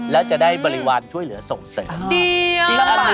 แล้วจะได้บริวารช่วยเหลือส่งเสริม